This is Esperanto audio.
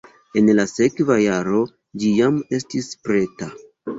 En la sekva jaro ĝi jam estis preta.